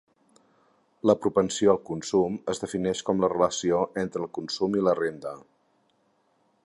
La propensió al consum es defineix com la relació entre el consum i la renda.